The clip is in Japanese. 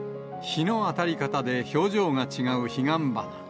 日の当たり方で、表情が違う彼岸花。